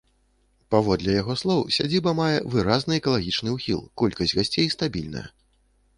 Паводле яго слоў, сядзіба мае выразны экалагічны ўхіл, колькасць гасцей стабільная.